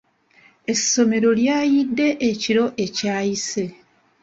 Essomero lyayidde ekiro ekyayise.